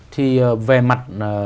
thì về mặt